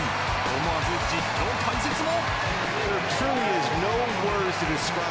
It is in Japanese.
思わず実況・解説も。